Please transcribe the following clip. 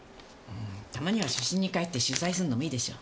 たまには初心に帰って取材するのもいいでしょ。